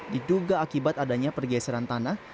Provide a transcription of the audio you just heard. diduga akibat adanya pergeseran tanah